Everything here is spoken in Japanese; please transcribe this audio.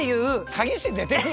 詐欺師出てくる？